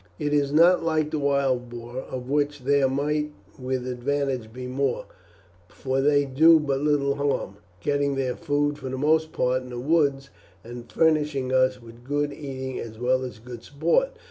It is not like the wild boar, of which there might with advantage be more, for they do but little harm, getting their food for the most part in the woods, and furnishing us with good eating as well as good sport.